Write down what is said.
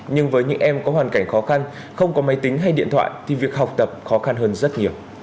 nhưng với những em có hoàn cảnh khó khăn không có máy tính hay điện thoại thì việc học tập khó khăn hơn rất nhiều